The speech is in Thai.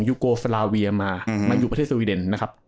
ยูโกสาลาเวียมาอยู่ประเทศสวีเดน